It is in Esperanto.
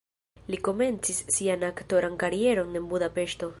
Li komencis sian aktoran karieron en Budapeŝto.